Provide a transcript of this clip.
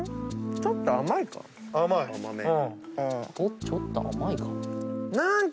ちょっと甘いか。